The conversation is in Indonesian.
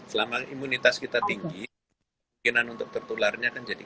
selama imunitas kita tinggi kemungkinan untuk tertularnya kan jadi